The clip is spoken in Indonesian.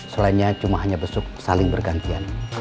selainnya cuma hanya besuk saling bergantian